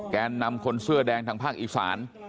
แกนนำคนเสื้อแดงทางภาคอีสาน